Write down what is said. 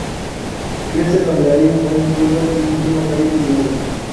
Crece donde hay un buen suelo y un clima cálido y húmedo.